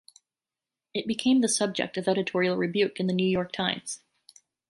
It became the subject of editorial rebuke in "The New York Times".